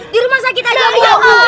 di rumah sakit aja bu